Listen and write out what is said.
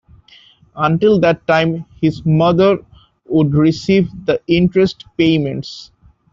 Until that time, his mother would receive the interest payments.